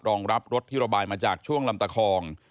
รองรับรถที่ระบายมาจากช่วงลำตะคอง